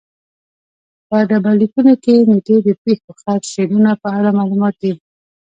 په ډبرلیکونو کې نېټې د پېښو خط سیرونو په اړه معلومات دي